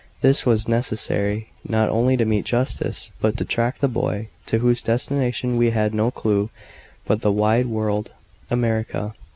This was necessary, not only to meet justice, but to track the boy to whose destination we had no clue but the wide world, America.